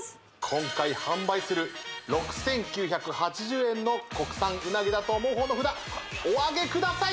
今回販売する６９８０円の国産うなぎだと思う方の札おあげください